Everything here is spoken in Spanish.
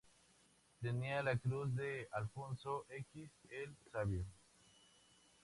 Tenía la Cruz de Alfonso X el Sabio.